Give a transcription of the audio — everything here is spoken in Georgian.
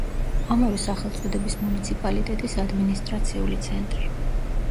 ამავე სახელწოდების მუნიციპალიტეტის ადმინისტრაციული ცენტრი.